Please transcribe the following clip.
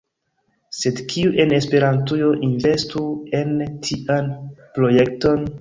Sed kiu en Esperantujo investu en tian projekton?